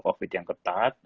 protokol covid yang ketat